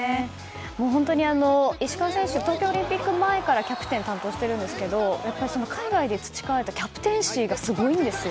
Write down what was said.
本当に、石川選手は東京オリンピック前からキャプテンを担当しているんですけども海外で培われたキャプテンシーがすごいんですよ。